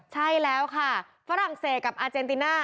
ใช่แล้วค่ะฝรั่งเศสกับอาเจนติน่า